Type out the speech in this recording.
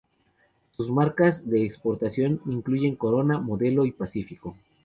Sus marcas de exportación incluyen Corona, Modelo y Pacífico.